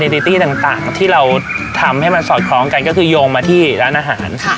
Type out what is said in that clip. ดิตี้ต่างที่เราทำให้มันสอดคล้องกันก็คือโยงมาที่ร้านอาหาร